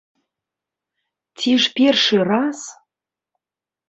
Ці ж першы раз?